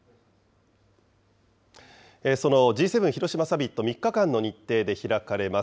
そのＧ７広島サミット、３日間の日程で開かれます。